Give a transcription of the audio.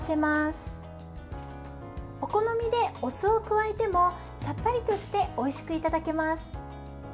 お好みで、お酢を加えてもさっぱりとしておいしくいただけます。